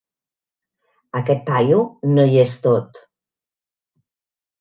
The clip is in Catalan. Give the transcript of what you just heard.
Aquest paio no hi és tot.